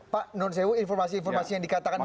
pak menurut saya informasi informasi yang dikatakan